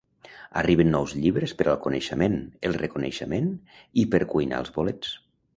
Arriben nous llibres per al coneixement, el reconeixement i per cuinar els bolets.